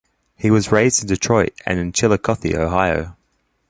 He was raised in Detroit and in Chillicothe, Ohio.